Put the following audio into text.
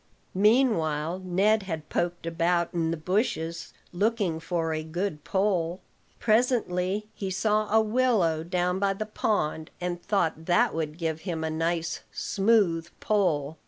Meanwhile Ned had poked about in the bushes, looking for a good pole. Presently he saw a willow down by the pond, and thought that would give him a nice, smooth pole.